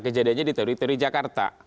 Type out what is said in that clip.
kejadiannya di teritori jakarta